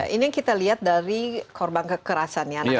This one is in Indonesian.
ini yang kita lihat dari korban kekerasan ya